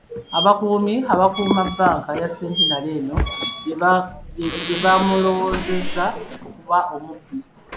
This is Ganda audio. Abakuumi abakuuuma bbanka ya Centenary eno gyebaamulowooleza okuba omubbi.